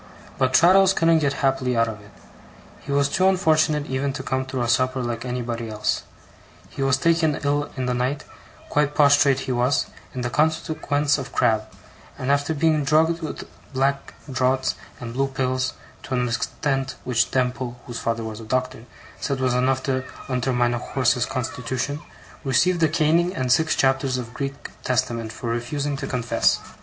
But Traddles couldn't get happily out of it. He was too unfortunate even to come through a supper like anybody else. He was taken ill in the night quite prostrate he was in consequence of Crab; and after being drugged with black draughts and blue pills, to an extent which Demple (whose father was a doctor) said was enough to undermine a horse's constitution, received a caning and six chapters of Greek Testament for refusing to confess.